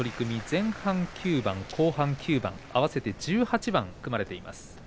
前半９番、後半９番合わせて１８番組まれています。